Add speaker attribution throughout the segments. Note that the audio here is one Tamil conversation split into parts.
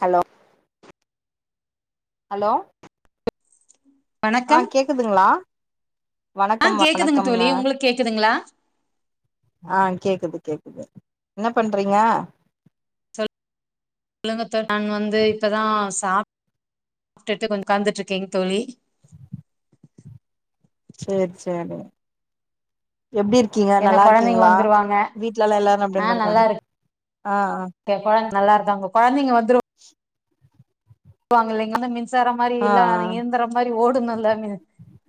Speaker 1: ஹலோ ஹலோ ஆ
Speaker 2: வணக்கம்
Speaker 1: கேக்குதுங்ளா?
Speaker 2: ஆ கேக்குதுங்க தோழி உங்களுக்கு கேக்குதுங்ளா
Speaker 1: ஆ கேக்குது கேக்குது என்ன பண்றீங்க
Speaker 2: சொல்லுங்க தோழி நாங்க வந்து இப்பதா சா ப்ட்டுட்டு கொஞ்ச உக்காந்துட்ருக்கேங் தோழி
Speaker 1: சேரி சேரி எப்டி இருக்கீங்க
Speaker 2: ஏன்னா
Speaker 1: நல்லா
Speaker 2: கொழந்தைங்க
Speaker 1: இருக்கீங்களா
Speaker 2: வந்துருவாங்க
Speaker 1: வீட்லல்லா எல்லாரு
Speaker 2: ஆ
Speaker 1: எப்டிலா
Speaker 2: நல்லா
Speaker 1: இருக்காங்க ஆ
Speaker 2: இருக்கே கொழ நல்லா இருக்காங்க கொழந்தைங்க வந்துரு வாங்க [inaudible] சார மாரி
Speaker 1: ஆ ஆ
Speaker 2: இல்ல ஆனா
Speaker 1: ஆ
Speaker 2: இயந்திர மாரி ஓடுணுல்ல மின்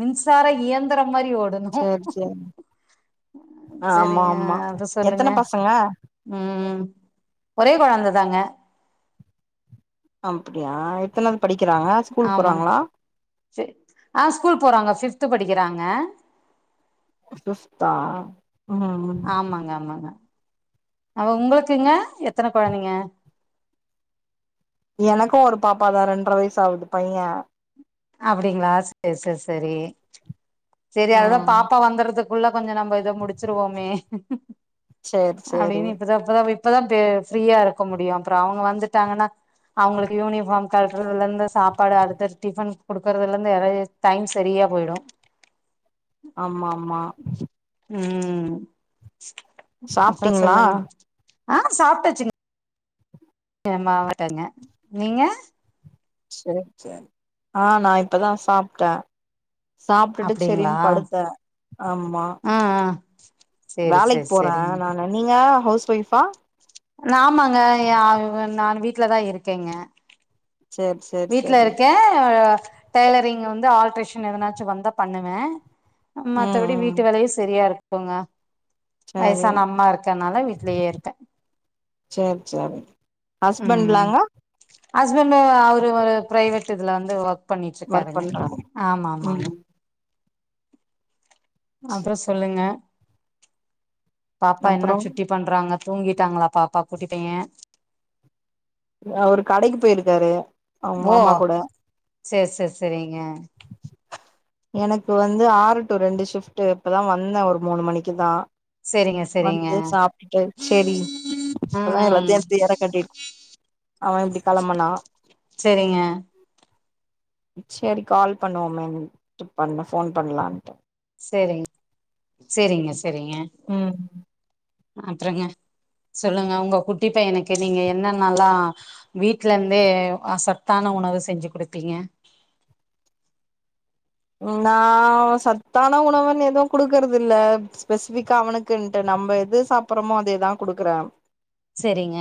Speaker 2: மின்சார இயந்திரோ மாரி ஓடணு
Speaker 1: சேரி சேரி ஆமா
Speaker 2: செரிங்க
Speaker 1: ஆமா
Speaker 2: அத சொல்லுங்க
Speaker 1: எத்தன பசங்க
Speaker 2: ம் ஒரே கொழந்ததாங்க
Speaker 1: அப்டியா எத்தனாவது படிக்கிறாங்க ஸ்கூல்
Speaker 2: ஆமாங்
Speaker 1: போறாங்களா
Speaker 2: சேரி ஆ ஸ்கூல் போறாங்க ஃபிஃப் த்து படிக்கிறாங்க
Speaker 1: ஃபிஃப்த்தா ம் ம்
Speaker 2: ஆ உங்களுக்குங்க எத்தன கொழந்தைங்க
Speaker 1: எனக்கு ஒரு பாப்பாதா ரெண்ட்ர வயசு ஆவுது பைய
Speaker 2: அப்பிடிங்ளா சேரி சேரி சேரி செரி அதுதா
Speaker 1: ம்
Speaker 2: பாப்பா வந்தர்றது க்குள்ள கொஞ்ச நம்ப இத முடிச்சிருவோமே
Speaker 1: சேரி சேரி
Speaker 2: அப்டினு இப்பதா இப்பதா போயி இப்பதா பி ஃப்ரீயா இருக்க முடியு அப்புறோ அவுங்க வந்துட்டாங்கன்னா அவங்களுக்கு யூனிஃபார்ம் கழட்றதுல இருந்து சாப்பாடு அடுத்து டிஃபன் குடுக்குறதுல இருந்து நெறைய டைம் சரியா போயிடு
Speaker 1: ஆமாமா
Speaker 2: ம் அப்றோ
Speaker 1: சாப்டீங்ளா
Speaker 2: சொல்லுங்க ஆ சாப்டாச்சுங் க மாவட்டங்க நீங்க
Speaker 1: சேர் சேரி ஆ நா இப்பதா சாப்டே சாப்டுட்டு
Speaker 2: அப்டிங்களா
Speaker 1: செரின் படுத்தே ஆமா
Speaker 2: ஆ ஆ சேரி
Speaker 1: வேலைக்
Speaker 2: சேரி
Speaker 1: போறே
Speaker 2: சேரிங்க
Speaker 1: நானு நீங்க ஹவுஸ் வைஃபா?
Speaker 2: நாமா ங்க ஏ வ நானு வீட்லதா இருக்கேங்க
Speaker 1: சேரி சேரி
Speaker 2: வீட்ல
Speaker 1: சேரி
Speaker 2: இருக்கே டெய்லரிங் வந்து ஆல்ட்ரேஷன் எதனாச்சு வந்தா பண்ணுவே
Speaker 1: ம்
Speaker 2: மத்தபடி
Speaker 1: ம்
Speaker 2: வீட்டு வேலயே சரியாரு க்குங்க
Speaker 1: சேரி
Speaker 2: வயசான அம்மா இருக்கனால வீட்லயே இருக்கே
Speaker 1: சேரி சேரி
Speaker 2: ம்
Speaker 1: ஹஸ்பண்ட்லாங்க
Speaker 2: ஹஸ்பண்டு அவ ரு ஒரு பிரைவேட் இதுல வந்து வர்க்
Speaker 1: ஒர்க்
Speaker 2: பண்ணிட்ருக்காருங்க
Speaker 1: பண்றாங்க
Speaker 2: ஆமாமாமா
Speaker 1: ம்
Speaker 2: அப்ற
Speaker 1: சேரி
Speaker 2: சொல்லுங்க பாப்பா என்ன
Speaker 1: அப்றோ
Speaker 2: சுட்டி பண்றாங்க? தூங்கிட்டாங்களா பாப்பா குட்டிப்பைய
Speaker 1: அவரு கடைக்கு போயிருக்காரு அவு மாமா கூட
Speaker 2: சேர் செர் செரிங்க
Speaker 1: எனக்கு வந்து ஆறு டு ரெண்டு ஷிஃப்ட்டு இப்பதா வந்தே ஒரு மூணு மணிக்குதா
Speaker 2: சேரிங்க சேரிங்க சேரிங்க
Speaker 1: வந்து சாப்டுட்டு சேரி
Speaker 2: ம்
Speaker 1: இப்பதா
Speaker 2: ம்
Speaker 1: எல்லாத்தையு எட்த்து ஏற கட்டிட் அவெ இப்டி கெளம்புனா
Speaker 2: சேரிங்க
Speaker 1: சேரி கால் பண்ணுவோமேன்ட்டு பண்ண ஃபோன் பண்லான்ட்டு
Speaker 2: சேரிங்க சேரிங்க செரிங்க
Speaker 1: ம்
Speaker 2: அ அப்றங்க சொல்லுங்க உங்க ஹு இப்போ எனக்கு நீங்க என்னன்னாலா வீட்ல இந்தே ஆ சத்தான உணவு செஞ்சி குடுப்பீங்க
Speaker 1: நா சத்தான உணவனு எதும் குடுக்குறது இல்ல ஸ்பெசிபிக்கா அவனுக்குன்ட்டு நம்ப எது சாப்றோமோ அதேதா குடுக்கறே
Speaker 2: செரிங்க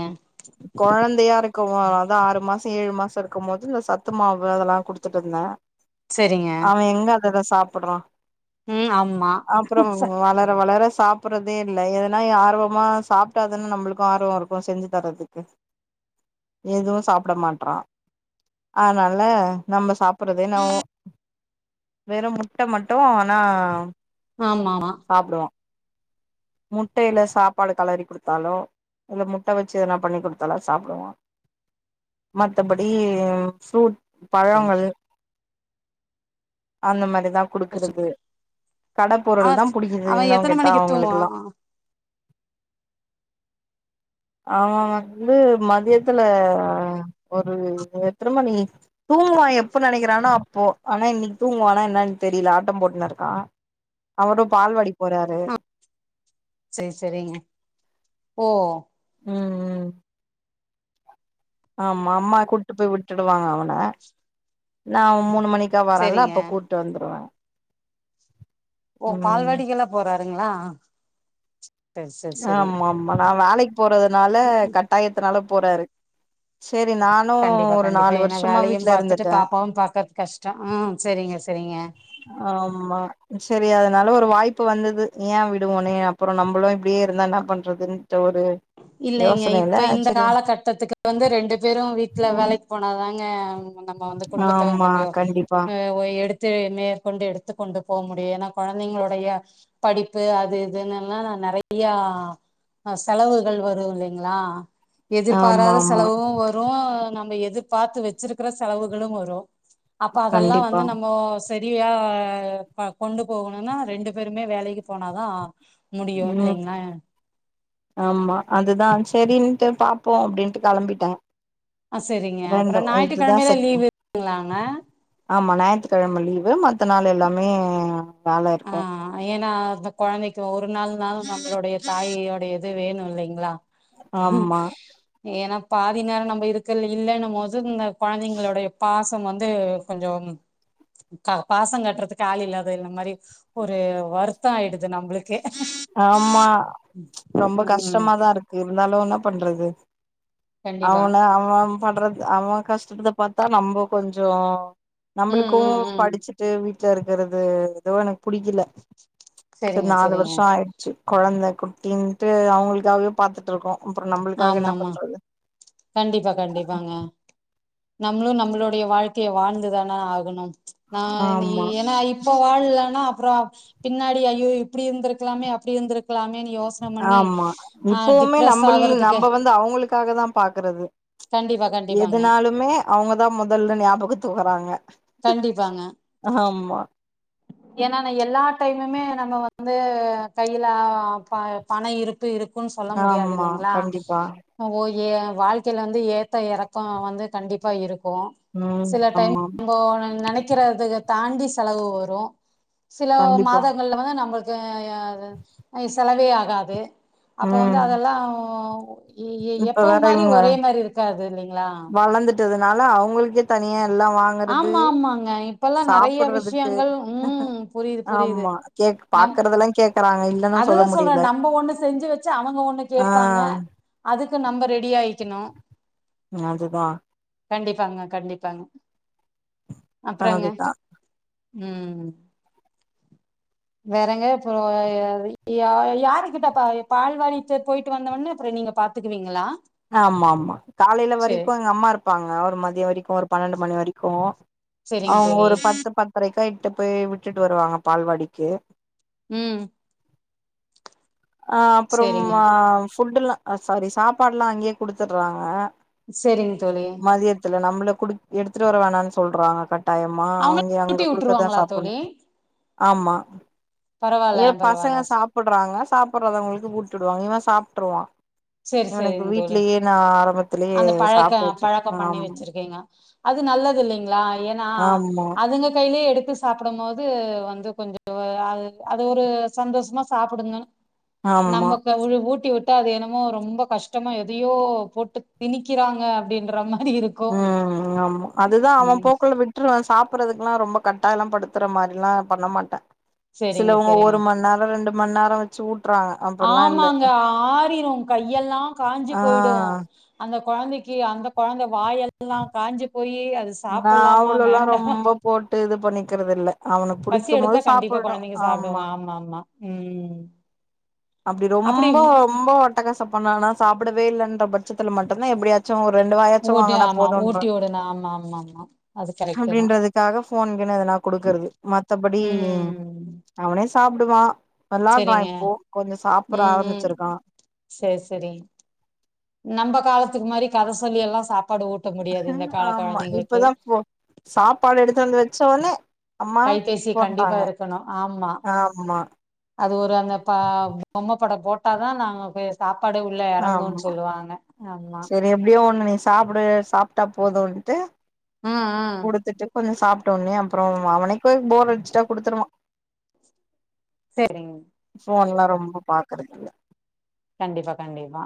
Speaker 1: கவு அதனாலதா ஆறு மாசம் ஏழு மாசம் இருக்கமோது சத்து மாவு அதெல்லா குடுத்துட்டுருந்த
Speaker 2: செரிங்க
Speaker 1: அத சாப்படறா
Speaker 2: ம் ஆமா
Speaker 1: அப்புறம் வளர வளர சாப்பறதே இல்ல எதனா ஆர்வமா சாப்ட்டா தான நம்பளுக்கும் ஆர்வம் இருக்கும் செஞ்சி தறதுக்கு எதுவும் சாப்டமாட்றா அதனால நம்ம சாப்பறதே நா ஊ வெறும் முட்ட மட்டும் அவனா
Speaker 2: ஆமா
Speaker 1: முட்டயில சாப்பாடு கலறி குடுத்தாலோ இல்ல முட்ட வச்சி எதனா பண்ணி குடுத்தாலோ சாப்டுவா மத்தபடி ஃப்ரூட் பழங்கள் அந்த மாரி தா குடுக்கறது கடப்பொருள்
Speaker 2: அவ
Speaker 1: தா புடிக்கிது
Speaker 2: அவ
Speaker 1: இன்னும்
Speaker 2: எத்தன
Speaker 1: கேட்டா
Speaker 2: மணிக்கு தூங்குவா
Speaker 1: அவங்களுக்குலா
Speaker 2: ஆ
Speaker 1: அவன் வந்து மதியத்துல ஒரு எத்தன மணி தூங்குவான் எப்ப நெனைக்கிறானோ அப்போ ஆனா இன்னக்கி தூங்குவானா என்னன்னு தெரில ஆட்டம் போட்டுனு இருக்கான் அவரும் பால் வாடி
Speaker 2: ஆ செரி செரிங்க ஓ
Speaker 1: ம் ம் ஆமா அம்மா கூட்டு போய் விட்டுடுவாங்க அவன நா மூணு மணி க்கா வரன் இல்ல
Speaker 2: செரிங்க
Speaker 1: அப்ப கூட்டு வந்துருவ
Speaker 2: ஓ பால்வாடிக்கலா போறா ற்ங்களா
Speaker 1: ஆமா ஆமா நா வேலக்கி போறதுனால கட்டாயத்துனால போறாரு சேரி நானு
Speaker 2: கண்டிப்பா
Speaker 1: ஒரு
Speaker 2: கண்டிப்பா
Speaker 1: நாலு
Speaker 2: ஏனா
Speaker 1: வருஷமா
Speaker 2: வேலையும்
Speaker 1: வீட்ல
Speaker 2: பாத்துட்டு
Speaker 1: இருந்துட்டே
Speaker 2: பாப்பாவும் பாக்கறது கஷ்டம் ம் செரிங்க செரிங்க
Speaker 1: ஆமா செரி அதனால ஒரு வாய்ப்பு வந்தது ஏன் விடுவோனே அப்பறம் நம்மளும் இப்டியே இருந்தா என்ன பண்றதுன்னு
Speaker 2: இல்லைங்க இப்ப இந்த
Speaker 1: சேரி
Speaker 2: காலகட்டத்துக்கு வந்து ரெண்டு பேரும் வீட்ல வேலைக் போனாதாங்க நம்ம வந்து குடும்பத்த
Speaker 1: ஆமா
Speaker 2: கொஞ்சோ
Speaker 1: கண்டிப்பா
Speaker 2: ஓ எடுத்து மேற்கொண்டு எடுத் த்துக் கொண்டுபோ முடியு ஏன்னா கொழந்தைங்களுடைய படிப்பு அது இதுனுல்லா நெறயா செலவு கள் வருயிலைங்களா
Speaker 1: ஆமா
Speaker 2: எதிர்பாராத
Speaker 1: ஆமா
Speaker 2: செலவு வரு நம்ம எதிர்பாத்து வச்சிருக்கற செலவுகளு வரு அப்ப அதெல்லா வந்து
Speaker 1: கண்டிப்பா
Speaker 2: நம்மோ செரியா ப கொண்டு போகணுன்னா ரெண்டு பேருமே வேலைக்கு போனாதா ஆ
Speaker 1: ம் ஆமா அதுதா செரின்ட்டு பாப்போ அபிடின்ட்டு கெளம்பிட்டே
Speaker 2: அ சரிங்க
Speaker 1: ரெண்டு
Speaker 2: அப்புறோ
Speaker 1: இதுதா
Speaker 2: ஞாயிறுகிழமையில லீவ்
Speaker 1: செகண்ட்
Speaker 2: இருக்குங்களாங்க
Speaker 1: ஆமா ஞாயித்துகெழம லீவு மத்த நாள் எல்லாமே வேல
Speaker 2: ஆ
Speaker 1: இருக்கு
Speaker 2: ஏனா அந்த கொழந்தைக்கு ஒரு நாள் நாளு நம்மளுடைய தாயோடைய இது வேணு இல்லைங்களா ம்
Speaker 1: ஆமா
Speaker 2: ஏனப் பாதி நேரோ நம்ம இருக்கல் இல்லன்னு மோது இந் கொழந்தைங்களேட பாச த்து வந்து கொஞ்சோ பாச கட்டுறதுக்கு ஆள் இல்லாத இந்த மாரி ஒரு வருத்தோ ஆயிடுது நம்புளுக்
Speaker 1: ஆமா ரொம்ப
Speaker 2: ம்
Speaker 1: கஷ்டமாதா இருக்கு இருந்தாலு என்ன பண்றது
Speaker 2: கண்டிப்பா
Speaker 1: அவன அவன் படறது அவ கஷ்டத பாத்தா நம்ப கொஞ்சோ
Speaker 2: ம்
Speaker 1: நம்புளுக்கு
Speaker 2: ம் ம்
Speaker 1: படிச்சிட்டு வி த்து இருக்கிறது எதோ எனக்கு புடிக்கல
Speaker 2: சேரிங்க சேரிங்க
Speaker 1: யச்சி கொழந்த குட்டின்ட்டு அவுங்களுகாவே பாத்துட்டு இருக்கோ அப்றோ நம்பளுக்காக
Speaker 2: ஆமா
Speaker 1: என்ன
Speaker 2: ஆமா
Speaker 1: பண்றது
Speaker 2: கண்டிப்பா கண்டிப்பாங்க நம்ளு நம்ளுடைய வாழ்கைய வாழ்ந்துதான ஆகணு நா நீ
Speaker 1: ஆமா
Speaker 2: ஏன்னா இப் இப்போ வாழ்லனா அப்புறோ பின்னாடி ஐயோ இப்பிடி இருந்திருகலாமே அப்பிடி இருந்திருகலாமே யோசன பண்ணி ஆ டிப்ரஸ் ஆவுறதுக்
Speaker 1: ப வந்து அவங்களுக்காகதா பாக்கறது.
Speaker 2: கண்டிப்பா கண்டிப்பாங்க
Speaker 1: எதுனாலுமே அவுங்கதா மொதல்ல ஞாபகத்துக்கு வராங்க.
Speaker 2: கண்டிப்பாங்க
Speaker 1: ஆமா
Speaker 2: ஏன்னா நா எல்லா டை முமே நம்ம வந்து கைல ப பணோ இருப்பு இரு க்குன்னு சொல்ல முடியாது
Speaker 1: ஆமா
Speaker 2: இல்லைங்களா
Speaker 1: கண்டிப்பா
Speaker 2: ஒ ஓ யே வாழ்க்கைல வந்து ஏத்தோ எறக்கோ வந்து கண்டிப்பா இரு க்கு
Speaker 1: ம்
Speaker 2: சில டைம்
Speaker 1: ஆமா
Speaker 2: ப்போ நா நெனைக்கிற இதுக தாண்டி செலவு வரு சில
Speaker 1: கண்டிப்பா
Speaker 2: மாதங்கள்ல வந்து நம்மள் து யா இது ஆ இது செலவே ஆகாது அப்ப வந்து
Speaker 1: ம்
Speaker 2: அதெல்லா எ எ
Speaker 1: இப்ப
Speaker 2: எப்பவு
Speaker 1: வேற
Speaker 2: மாரி
Speaker 1: இவங்க
Speaker 2: ஒரே மாரி இருக்காது இல்லைங்களா
Speaker 1: தால அவங்களுக்கே தனியா எல்லா வாங்கறது
Speaker 2: ஆமா ஆமாங்க இப்பல்லா நெறைய
Speaker 1: சாப்புடுறதுக்கு
Speaker 2: விஷயங்கள் ம் புரியுது புரியுது
Speaker 1: ஆமா கேக்
Speaker 2: நம்
Speaker 1: பாக்குறதெல்லா கேக்குறாங்க இல்லன்னா சொல்ல
Speaker 2: அதுதா சொல்றே
Speaker 1: முடியல
Speaker 2: நம்ப ஒண்ணு செஞ்சு வச்சா அவங்க ஒண்ணு
Speaker 1: ஆ
Speaker 2: கேப்பாங்க அது க்கு நம்ப ரெடியாய்க்கினு
Speaker 1: அதுதா
Speaker 2: கண்டிப்பாங்க கண்டிப்பாங்க அப்புறங்க
Speaker 1: அதுதா
Speaker 2: ம் வேறங்க அப்புறோ அது யா யாருக்கிட்ட பா பால்வாடிச்ச போயிட்டு வந்தவொன்னெ அப்புறோ நீங்க பாத்துக்குவீங்களா
Speaker 1: ஆமா ஆமா காலைல
Speaker 2: சேரி
Speaker 1: வரைக்கு எங்க அம்மா இருப்பாங்க ஒரு மதியோ வரைக்கு ஒரு பன்னெண்டு மணி வரைக்கு
Speaker 2: சேரிங்க
Speaker 1: அவுங்க
Speaker 2: தோழி
Speaker 1: ஒரு பத்து பத்தரைக்கா எ ட்டு போய் விட்டுட்டு வருவாங்க பால்வாடிக்கி
Speaker 2: ம்
Speaker 1: ஆ அப்புறம்
Speaker 2: சேரிங்க
Speaker 1: ஆ ஃபுட்டெல்லா ஆ சாரி சாப்பாடுலா அங்கயே குடுத்தர்றாங்க
Speaker 2: சேரிங்க தோழி
Speaker 1: மதியத்துல நம்பள குடு எடுத்துட்டு வர வேணான்னு சொல்றாங்க கட் டாயமா
Speaker 2: அவங்க
Speaker 1: அங்க அவுங்க
Speaker 2: ஊட்டி
Speaker 1: குடுக்கறதுதா
Speaker 2: விட்டுருவாங்களா
Speaker 1: சாப்படணு
Speaker 2: தோழி
Speaker 1: ஆமா ஏ
Speaker 2: பரவால்ல
Speaker 1: பசங்க
Speaker 2: பரவால்ல
Speaker 1: சாப்படறாங்க பறாதவங்களுக்கு ஊட்டி விடுவாங்க இவன் சாப்ட்டுருவான்
Speaker 2: சேரி
Speaker 1: இவனுக்கு
Speaker 2: சேரிங்க தோழி
Speaker 1: வீட்லயே நா ஆரம்
Speaker 2: அந்த பழக்க பழக்கம் பண்ணி வெச்சிருக்கீங்க அது நல்லது இல்லைங்களா ஏன்னா
Speaker 1: ஆமா
Speaker 2: அதுங்க கை லே எடுத்து சாப்பட மோது வந்து கொஞ்சம் அது அது ஒரு சந்தோஷமா சாப்டுங்க
Speaker 1: ஆமா
Speaker 2: நமக்கு அவரு ஊட்டி விட் ட்ட அது என்னமோ ரொம்ப கஷ்டமா எதையோ போட்டு தினிக்கிறாங்க அப்டின்ற மா
Speaker 1: ஆ ஆமா அதுதா அவன்
Speaker 2: ம்
Speaker 1: போக்குல விட்டுருவா சாப்பறதுகுலா ரொம்ப கட் டாயலா படுத்துற மாரிலா பண்ண மாட்ட
Speaker 2: செரிங்க
Speaker 1: சிலவங்க
Speaker 2: செரிங்க
Speaker 1: ஒரு மண் நேரோ ரெண்டு மண் நேரோ வச்சு ஊட்றாங்க அப்பிட்லா இல்ல
Speaker 2: ஆமாங்க ஆறிரு கையெலாம் காஞ்சி
Speaker 1: ஆ
Speaker 2: போயிடு அந்த கொழந்தைக்கி அந்த கொழந்த வாயெல்லா காஞ்சி போயி அது சாப்பலாமா வேண்டா
Speaker 1: டு இது பண்ணிகிறதில்ல அவனுக்கு புடிக்குமோது
Speaker 2: கண்டிப்பா
Speaker 1: சாப்டட்டும்
Speaker 2: கொழந்தைங்க
Speaker 1: ஆமா
Speaker 2: சாப்டுங்க ஆமா ம்
Speaker 1: அப்டி ரொம்ப ரொம்ப அட்டகாசம் பண்ணான சாப்ட வேலன்ற பட்சத்தில மட்டுதா எப்டியாச்சும் ஒரு ரெண்டு வாயாச்சும்
Speaker 2: ஓட்டி
Speaker 1: வாங்கனா
Speaker 2: ஆமா
Speaker 1: போதுன்ற
Speaker 2: ஊட்டி விடணு ஆமா ஆமா ஆமா அது கரெக்ட்டு தா
Speaker 1: அப்டின்றதுகாக ஃபோன்கீனு எதனா குடுக்கறது மத்தபடி
Speaker 2: ம்
Speaker 1: அவனே சாப்டுவா வெளாடுறா
Speaker 2: செரிங்க
Speaker 1: இப்போ சாப்புட
Speaker 2: ம் ம்
Speaker 1: ஆரம்பிச்சிருக்கா
Speaker 2: செரி செரி நம்ப காலத் துக்கு மாரி கத சொல்லி எல்லா சாப்
Speaker 1: ஆ ஆமா இப்பதா போ சாப்பாடு எடுத்து வந்து வச்ச ஒன்னே
Speaker 2: கைபேசி கண்டிப்பா இருக்கணு ஆமா
Speaker 1: ஆமா
Speaker 2: அது ஒரு அந்த பா பொம்ம பட போட்டா தா நாங்க போய் சாப் பாடு உள்ள எறங்குன்
Speaker 1: ஆமா
Speaker 2: சொல்லுவாங்க ஆமா
Speaker 1: செரி எப்டியோ ஒண்ணு நீ சாப்டு சாப்ட்டா போதுன்ட்டு
Speaker 2: ம் ம்
Speaker 1: குடுதுட்டு கொஞ்ச சாப்ட உடனே அப்றோ அவனைகு போர் அடிசுடா குடுத்துருவா
Speaker 2: செரிங்
Speaker 1: ஃபோன்லா ரொம்ப பாகுறதுல
Speaker 2: கண்டிபா-கண்டிபா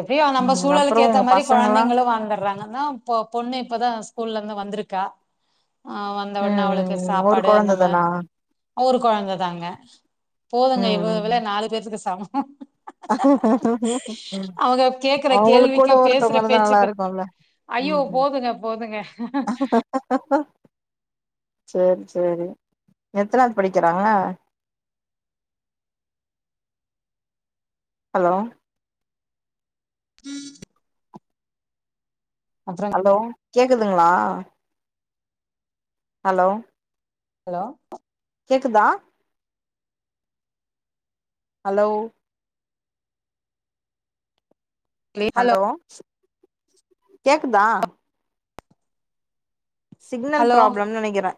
Speaker 2: எப்டியோ நம்ம
Speaker 1: ம் அப்புறோ
Speaker 2: சூழலுகு ஏத்த
Speaker 1: உங்க
Speaker 2: மாரி
Speaker 1: பசங்கல்லா
Speaker 2: குழந்தைங்களு வாழ்ந்துறாங்கனா இப்போ பொன்ணு இப்பதா ஸ்கூலருந்து வந்திருக்கா ஆ வந்த உடனே
Speaker 1: ம்
Speaker 2: அவளுகு
Speaker 1: ம் ஒரு
Speaker 2: சாபாடு அந்த
Speaker 1: கொழந்த
Speaker 2: மா
Speaker 1: தானா
Speaker 2: ஒரு குழந்த தாங்க போதுங்க இவள இவிள நாலு பேதுக்கு சமோ அஹ கேக்குற
Speaker 1: அவங்களுகு கூட
Speaker 2: கேள்விக்கு பேசுற
Speaker 1: ஒருதங்கருந்தா நலா
Speaker 2: பேச்சுக்கு
Speaker 1: இருகுல
Speaker 2: ஐயோ
Speaker 1: உ
Speaker 2: போதுங்க போதுங்க
Speaker 1: செரி செரி எத்தனாது படிகிறாங்க ஹலோ
Speaker 2: ம்
Speaker 1: ஹலோ கேக்குதுங்களா ஹலோ
Speaker 2: ஹலோ
Speaker 1: கேக்குதா ஹலோ ஹலோ கேக்குதா சிக்னல்
Speaker 2: ஹலோ
Speaker 1: ப்ராப்ளம்னு நனைக்கிறே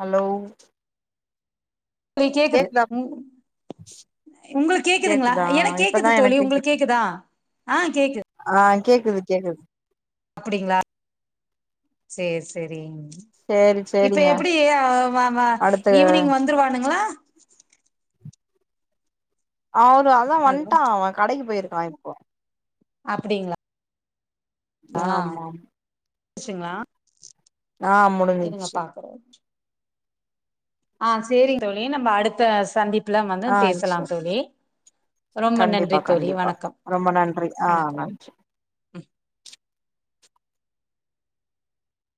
Speaker 1: ஹலோ
Speaker 2: தோழி கேக்குது
Speaker 1: கேக்குதா
Speaker 2: உ உங்களுக்கு கேக்குதுங்களா
Speaker 1: கேக்குதா
Speaker 2: எனக்கு
Speaker 1: இப்பதா
Speaker 2: கேக்குது தோழி
Speaker 1: எனக்கு
Speaker 2: உங்களுக்கு
Speaker 1: கேக்குது
Speaker 2: கேக்குதா ஆ கேக்குது
Speaker 1: ஆ கேக்குது கேக்குது
Speaker 2: அப்டிங்களா சேரி சேரிங்
Speaker 1: சேரி
Speaker 2: இப்ப
Speaker 1: சேரிங்க
Speaker 2: எப்படி அ வ வ
Speaker 1: அடுத்து
Speaker 2: ஈவினிங் வந்துருவானுங்களா [inaudible]
Speaker 1: அவரு அதா
Speaker 2: ஹலோ
Speaker 1: வன்ட்டா அவ கடைக்கு போயிருக்கா இப்போ
Speaker 2: அப்படிங்களா
Speaker 1: ஆமா
Speaker 2: ச்சுங்களா
Speaker 1: நா
Speaker 2: இருங்க
Speaker 1: முடிஞ்சிச்சி
Speaker 2: பாக்குறே ஆ சேரிங் தோழி நம்ம அடுத்த சந்திப் ப்புல வந்து
Speaker 1: ஆ
Speaker 2: பேசலா
Speaker 1: சரி
Speaker 2: தோழி ரொம்ப
Speaker 1: கண்டிப்பா
Speaker 2: நன்றி தோழி
Speaker 1: கண்டிப்பா
Speaker 2: வணக்கம்
Speaker 1: ரொம்ப நன்றி ஆ
Speaker 2: வணக்கம்
Speaker 1: நன்றி